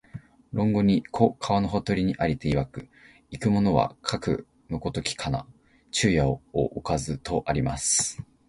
論語に、「子、川のほとりに在りていわく、逝く者はかくの如きかな、昼夜をおかず」とあります